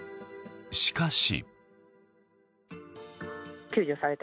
しかし。